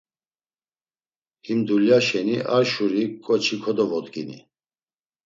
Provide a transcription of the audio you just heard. Him dulya şeni ar şuri ǩoçi kodovodgini.